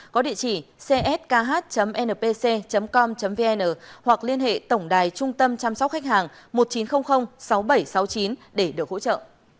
có địa chỉ cskh npc com vn hoặc liên hệ tổng đài trung tâm chăm sóc khách hàng một chín không không sáu bảy sáu chín để được hỗ trợ